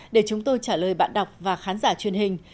để chúng tôi trả lời bạn đọc và khán giả truyền hình